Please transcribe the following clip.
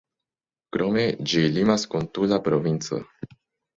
Krome, ĝi limas kun Tula provinco.